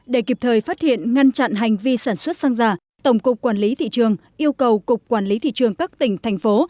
để kịp thời phát hiện ngăn chặn hành vi sản xuất xăng giả tổng cục quản lý thị trường yêu cầu cục quản lý thị trường các tỉnh thành phố